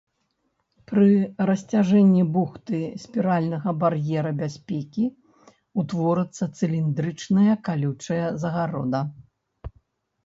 Пры расцяжэнні бухты спіральнага бар'ера бяспекі утворыцца цыліндрычнае калючая загарода.